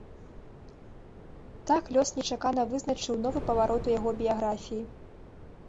Так лёс нечакана вызначыў новы паварот у яго біяграфіі.